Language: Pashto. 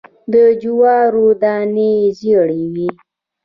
د جوارو دانی ژیړې وي